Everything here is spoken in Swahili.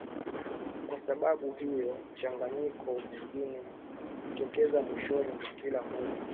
Kwa sababu hio mchanganyiko mwingine hujitokeza mwishoni mwa kila mwezi